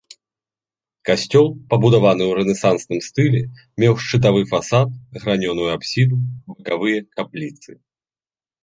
Касцёл, пабудаваны ў рэнесансным стылі, меў шчытавы фасад, гранёную апсіду, бакавыя капліцы.